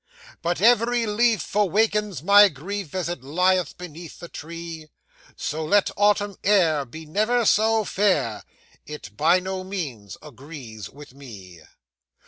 But every leaf awakens my grief, As it lieth beneath the tree; So let Autumn air be never so fair, It by no means agrees with me.